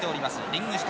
リング下。